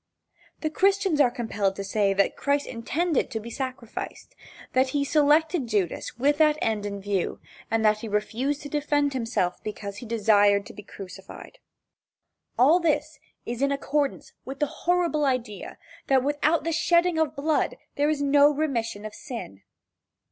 The Christians are compelled to say that Christ intended to be sacrificed that he selected Judas with that end in view, and that he refused to defend himself because he desired to be crucified. All this is in accordance with the horrible idea that without the shedding of blood there is no remission of sin.